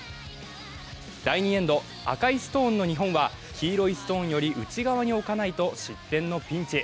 第２エンド、赤いストーンの日本は黄色いストーンより内側に置かないと失点のピンチ。